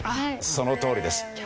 そのとおりです。